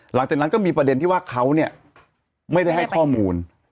หลังจากนั้นก็มีประเด็นที่ว่าเขาเนี่ยไม่ได้ให้ข้อมูล